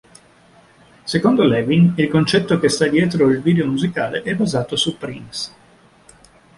Secondo Levine, il concetto che sta dietro il video musicale è basato su Prince.